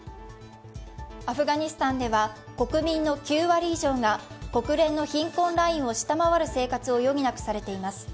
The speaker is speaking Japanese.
アフガニスタンでは国民の９割以上が国連の貧困ラインを下回る生活を余儀なくされています。